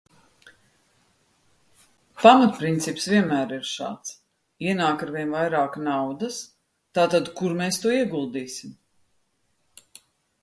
Pamatprincips vienmēr ir šāds: ienāk aizvien vairāk naudas, tātad kur mēs to ieguldīsim?